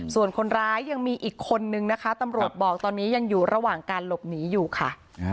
ส่วนคนร้ายยังมีอีกคนนึงนะคะตำรวจบอกตอนนี้ยังอยู่ระหว่างการหลบหนีอยู่ค่ะ